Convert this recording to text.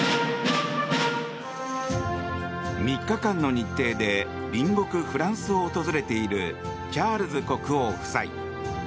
３日間の日程で隣国フランスを訪れているチャールズ国王夫妻。